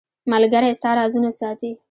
• ملګری ستا رازونه ساتي.